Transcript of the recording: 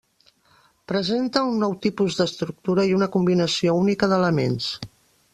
Presenta un nou tipus d'estructura, i una combinació única d'elements.